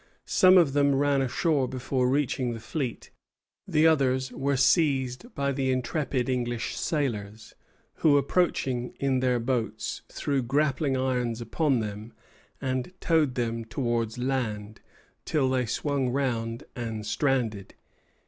Some of them ran ashore before reaching the fleet; the others were seized by the intrepid English sailors, who, approaching in their boats, threw grappling irons upon them and towed them towards land, till they swung round and stranded.